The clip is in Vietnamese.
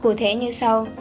cụ thể như sau